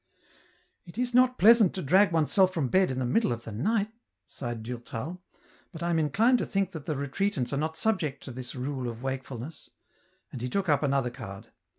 It is not pleasant to drag oneself from bed in the middle of the night," sighed Durtal, " but I am inclined to think that the Retreatants are not subject to this rule of wakeful ness," and he took up another card.